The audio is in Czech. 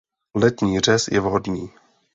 Letní řez je vhodný.